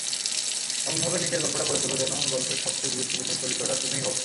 এমনভাবে নিজের গল্পটা গড়ে তোলো, যেন গল্পের সবচেয়ে গুরুত্বপূর্ণ চরিত্রটা তুমিই হও।